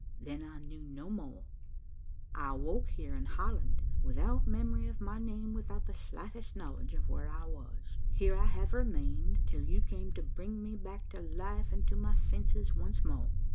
Then I knew no more. "I woke here in Holland, without memory of my name, without the slightest knowledge of where I was. Here I have remained, till you came to bring me back to life and to my senses once more."